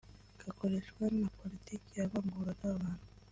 kakoreshwa na politiki yavanguraga abantu